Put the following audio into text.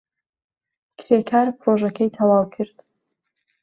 کرێکار پرۆژەکەی تەواو کرد.